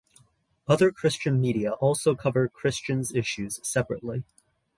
Other Christian media also cover Christian's issue importantly.